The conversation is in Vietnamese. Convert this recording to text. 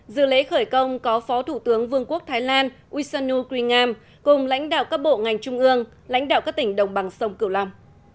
dự lễ khởi công có phó thủ tướng vương quốc thái lan wisanu krinam cùng lãnh đạo các bộ ngành trung ương lãnh đạo các tỉnh đồng bằng sông cửu long